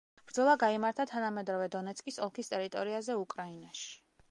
ბრძოლა გაიმართა თანამედროვე დონეცკის ოლქის ტერიტორიაზე უკრაინაში.